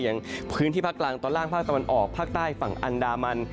อย่างพื้นที่ภาคกลางตอนล่างภาคตะวันออกภาคใต้ฝั่งอันดามัน